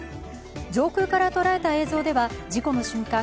上空から捉えた映像では事故の瞬間